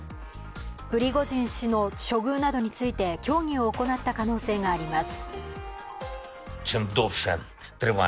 プリゴジン氏の処遇などについて協議を行った可能性があります。